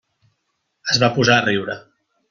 Es va posar a riure.